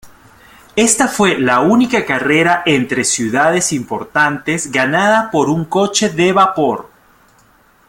Esta fue la única carrera entre ciudades importante ganada por un coche de vapor.